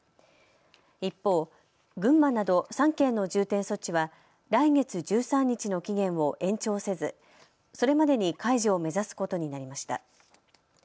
一方、群馬など３県の重点措置は来月１３日の期限を延長せず、それまでに解除を目指すことになりました。